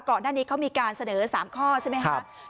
ก่อนหน้านี้เขามีการเสนอ๓ข้อใช่ไหมครับ